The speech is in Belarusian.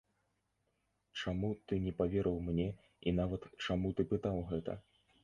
Чаму ты не паверыў мне і нават чаму ты пытаў гэта?